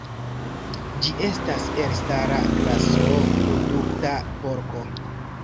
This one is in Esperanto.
Ĝi estas elstara graso-produkta porko.